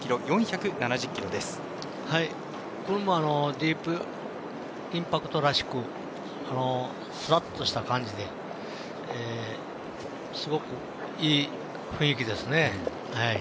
ディープインパクトらしくすらっとした感じですごくいい雰囲気ですね。